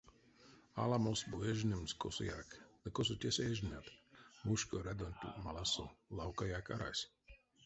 Аламос бу эжнемс косояк, ды косо тесэ эжнят, мушко рядонть маласо лавкаяк арась.